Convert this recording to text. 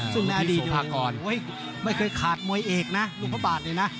ซึ่งในอดีตมาก่อนไม่เคยขาดมวยเอกนะลูกพระบาทเลยนะ